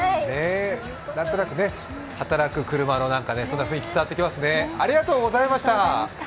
何となく働く車の雰囲気、伝わってきますね。